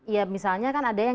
ya misalnya kan ada yang